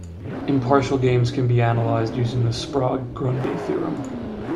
Impartial games can be analyzed using the Sprague-Grundy theorem.